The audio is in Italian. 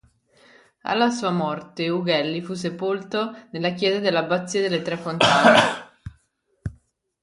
Alla sua morte Ughelli fu sepolto nella chiesa dell'abbazia delle Tre Fontane.